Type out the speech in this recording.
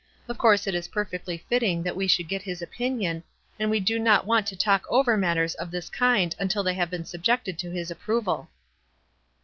Of course it is perfectly fitting that we should get his opinion, and we do not want to talk over matters of this kind until they have been subjected to his approval.'"